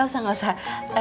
gak usah gak usah